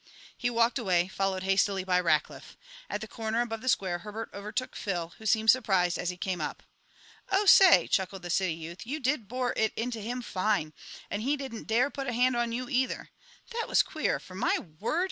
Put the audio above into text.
He walked away, followed hastily by Rackliff. At the corner above the square Herbert overtook Phil, who seemed surprised as he came up. "Oh, say," chuckled the city youth, "you did bore it into him fine! And he didn't dare put a hand on you, either. That was queer, for, my word!